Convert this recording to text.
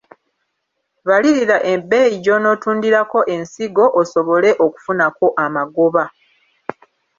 Balirira ebbeeyi gy’onootundirako ensigo osobole okufunako amagoba.